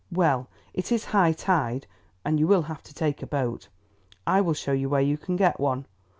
Well, it is high tide, and you will have to take a boat. I will show you where you can get one.